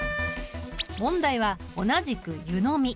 問題は同じく「ゆのみ」。